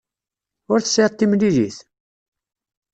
Ur tesɛiḍ timlilit?